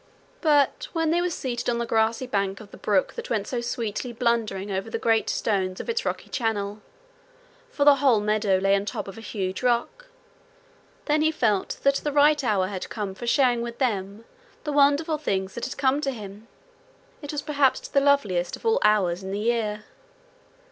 But when they were seated on the grassy bank of the brook that went so sweetly blundering over the great stones of its rocky channel, for the whole meadow lay on the top of a huge rock, then he felt that the right hour had come for sharing with them the wonderful things that had come to him. It was perhaps the loveliest of all hours in the year.